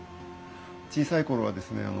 小さい頃はですね